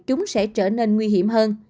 chúng sẽ trở nên nguy hiểm hơn